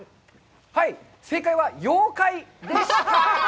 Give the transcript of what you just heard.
はい、正解は「妖怪」でした！